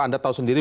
anda tahu sendiri